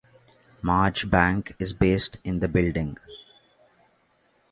Maj Bank is based in the building.